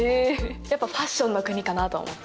やっぱファッションの国かなと思って。